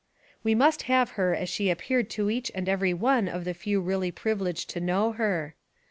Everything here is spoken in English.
We must have her as she ap peared to each and every one of the few really privi leged to know her.